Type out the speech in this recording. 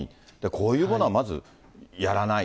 こういうものはまずやらない。